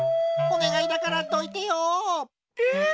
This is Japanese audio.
おねがいだからどいてよ！え？